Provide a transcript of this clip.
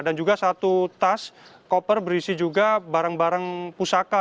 dan juga satu tas koper berisi juga barang barang pusaka